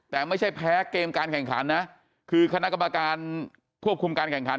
แต่ไม่ใช่แพ้เกมการแข่งขันนะคือคณะกรรมการควบคุมการแข่งขัน